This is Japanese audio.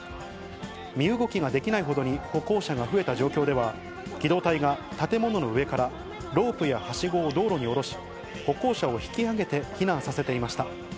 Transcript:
身動きができないほどに歩行者が増えた状況では、機動隊が建物の上からロープやはしごを道路に下ろし、歩行者を引き上げて避難させていました。